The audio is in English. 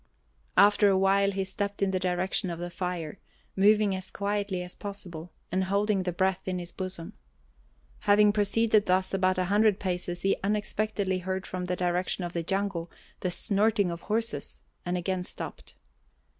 After a while he stepped in the direction of the fire, moving as quietly as possible and holding the breath in his bosom. Having proceeded thus about a hundred paces he unexpectedly heard from the direction of the jungle the snorting of horses and again stopped.